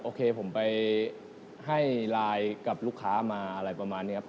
โอเคผมไปให้ไลน์กับลูกค้ามาอะไรประมาณนี้ครับ